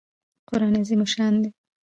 قران عظیم الشان دئ.